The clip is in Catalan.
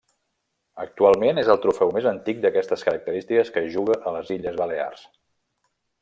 Actualment és el trofeu més antic d'aquestes característiques que es juga a les Illes Balears.